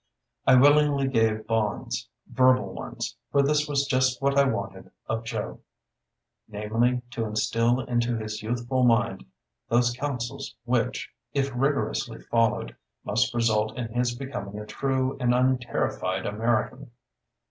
I willingly gave bonds verbal ones for this was just what I wanted of Joe: namely, to instil into his youthful mind those counsels which, if rigorously followed, must result in his becoming a true and unterrified American.